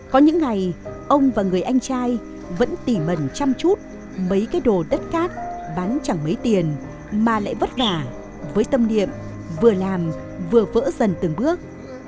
có những ngày ông và người anh trai vẫn tỉ mẩn chăm chút mấy cái đồ đất cát bán chẳng mấy tiền mà lại vất vả với tâm niệm vừa làm vừa vỡ dần từng bước